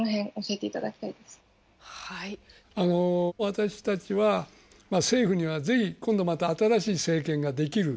私たちは、政府にはぜひ今度また新しい政権ができる。